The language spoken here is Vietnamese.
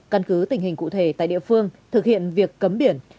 căn cứ tình hình cụ thể tại địa phương thực hiện việc cấm biển